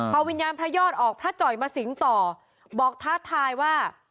พอวิญญาณพระยอดออกพระจ่อยมาสิงต่อบอกท้าทายว่า